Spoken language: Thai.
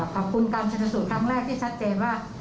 ขอบคุณการชนสูตรครั้งแรกที่ชัดเจนว่า